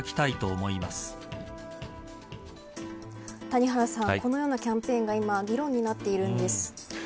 谷原さん、このようなキャンペーンが今議論になっているんです。